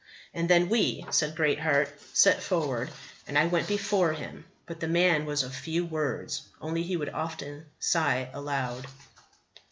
"And then we," said Greatheart, "set forward, and I went before him; but the man was of few words, only he would often sigh aloud."